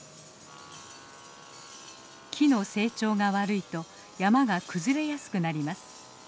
木の成長が悪いと山が崩れやすくなります。